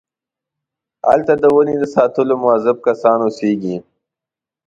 هلته د ونې د ساتلو موظف کسان اوسېږي.